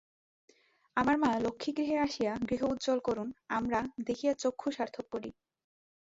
আমার মা-লক্ষ্মী গৃহে আসিয়া গৃহ উজ্জ্বল করুন আমরা দেখিয়া চক্ষু সার্থক করি।